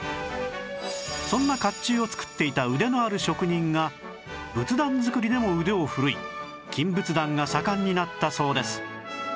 そんな甲冑を作っていた腕のある職人が仏壇作りでも腕を振るい金仏壇が盛んになったそうです